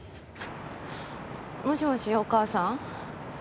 もしもし、お母さん。